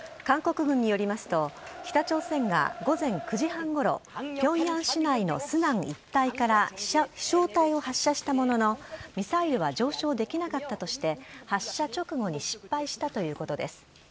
韓国軍によりますと、北朝鮮が午前９時半ごろ、ピョンヤン市内のスナン一帯から飛しょう体を発射したものの、ミサイルは上昇できなかったとして、発射直後に失敗したということです。